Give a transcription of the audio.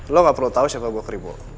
lo gak perlu tau siapa gue keribo